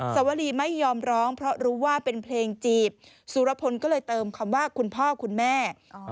สวรีไม่ยอมร้องเพราะรู้ว่าเป็นเพลงจีบสุรพลก็เลยเติมคำว่าคุณพ่อคุณแม่